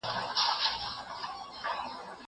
زه هره ورځ سبزېجات تياروم!!